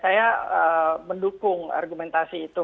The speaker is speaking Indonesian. saya mendukung argumentasi itu